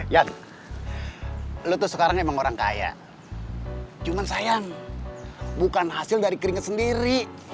yang lu sekarang emang orang kaya cuman sayang bukan hasil dari keringet sendiri